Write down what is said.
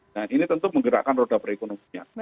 nah ini tentu menggerakkan roda perekonomian